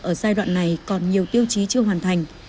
ở giai đoạn này còn nhiều tiêu chí chưa hoàn thành